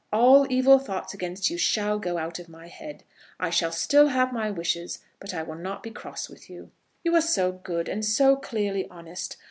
All evil thoughts against you shall go out of my head. I shall still have my wishes, but I will not be cross with you." "You are so good, and so clearly honest.